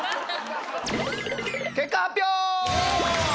結果発表！